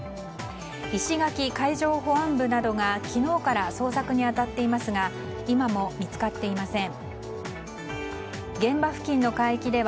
石垣海上保安部などが昨日から捜索に当たっていますが今も見つかっていません。